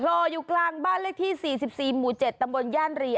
รออยู่กลางบ้านเลขที่๔๔หมู่๗ตำบลย่านเรีย